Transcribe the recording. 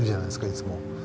いつも。